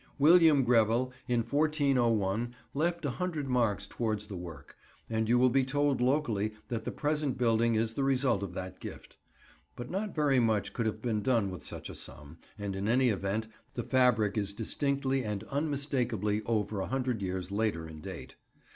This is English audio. William Grevel in 1401 left a hundred marks towards the work, and you will be told locally that the present building is the result of that gift. But not very much could have been done with such a sum, and in any event, the fabric is distinctly and unmistakably over a hundred years later in date.